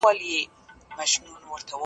مزاج به ښه شي.